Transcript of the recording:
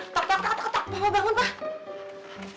pak pak pak pak pak pak bangun pak